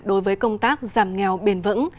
đối với công tác giảm nghèo bền vững